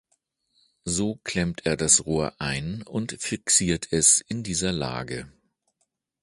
So klemmt er das Rohr ein und fixiert es in dieser Lage.